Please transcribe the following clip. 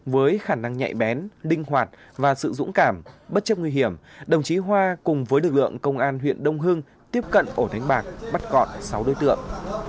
với khả năng nhạy bén linh hoạt và sự dũng cảm bất chấp nguy hiểm đồng chí hoa cùng với lực lượng công an huyện đông hưng tiếp cận ổ đánh bạc bắt gọn sáu đối tượng